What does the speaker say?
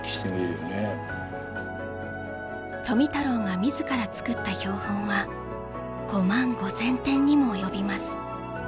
富太郎が自ら作った標本は５万５，０００点にも及びます。